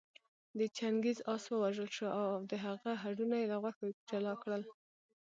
د چنګېز آس ووژل شو او د هغه هډونه يې له غوښو جلا کړل